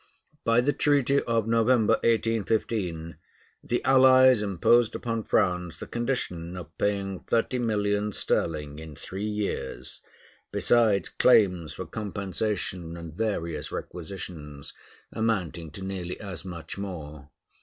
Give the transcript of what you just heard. By the treaty of November, 1815, the allies imposed upon France the condition of paying thirty millions sterling in three years, besides claims for compensation and various requisitions, amounting to nearly as much more.